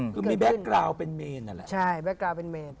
คือมีแบ็คกราวเป็นเมนอะแหละใช่แบ็คกราวเป็นเมน